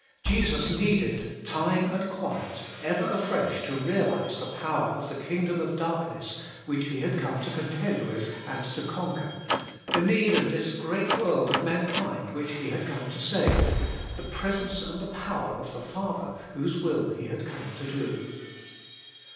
Jesus needed time and quiet ever afresh to realise the power of the kingdom of darkness which He had come to contend with and to conquer, the need of this great world of mankind which He had come to save, the presence and the power of the Father whose will He had come to do.